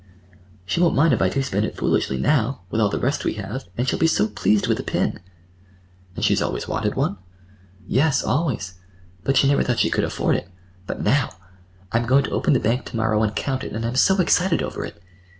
She won't mind if I do spend it foolishly now—with all the rest we have. And she'll be so pleased with the pin!" "And she's always wanted one?" "Yes, always; but she never thought she could afford it. But now—! I'm going to open the bank to morrow and count it; and I'm so excited over it!"